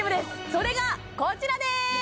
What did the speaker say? それがこちらです